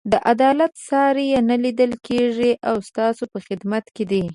د عدالت ساری یې نه لیدل کېږي او ستاسو په خدمت کې دی.